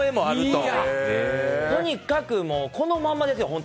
とにかくこのままですよ。